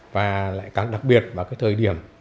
và lại càng đặc biệt vào thời điểm